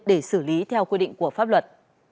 để xử lý theo quy định của pháp luật